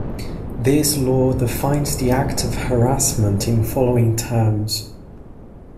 This law defines the act of harassment in following terms.